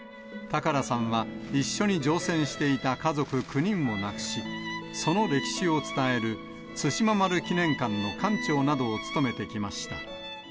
高良さんは、一緒に乗船していた家族９人を亡くし、その歴史を伝える対馬丸記念館の館長などを務めてきました。